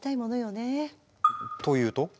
というと？